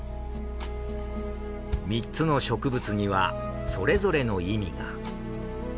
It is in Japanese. ３つの植物にはそれぞれの意味が。